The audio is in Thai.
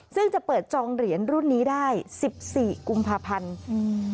ซึ่งจะเปิดจองเหรียญรุ่นนี้ได้สิบสี่กุมภาพันธ์อืม